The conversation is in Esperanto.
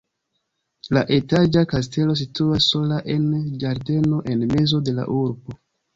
La etaĝa kastelo situas sola en ĝardeno en mezo de la urbo.